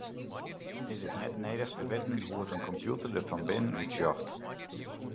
It is net nedich te witten hoe't in kompjûter der fan binnen útsjocht.